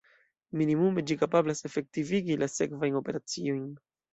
Minimume ĝi kapablas efektivigi la sekvajn operaciojn.